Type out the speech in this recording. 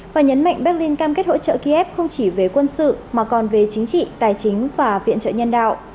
và nhấn mạnh berlin cam kết hỗ trợ kiev không chỉ về quân sự mà còn về chính trị tài chính và viện trợ nhân đạo